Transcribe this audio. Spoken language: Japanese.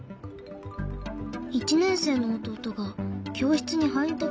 １年生の弟が教室に入りたくないって。